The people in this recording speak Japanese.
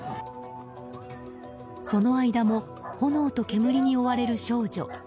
その間も炎と煙に追われる少女。